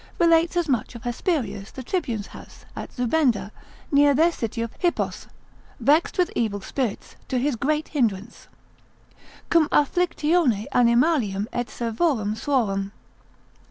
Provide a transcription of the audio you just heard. relates as much of Hesperius the Tribune's house, at Zubeda, near their city of Hippos, vexed with evil spirits, to his great hindrance, Cum afflictione animalium et servorum suorum.